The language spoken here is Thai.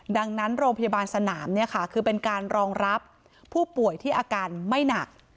ดังนั้นโรงพยาบาลสนามคือเป็นการรองรับผู้ป่วยที่อาการไม่หนัก